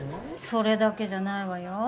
それだけじゃないわよ。